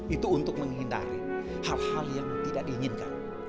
itu untuk menghindari hal hal yang tidak diinginkan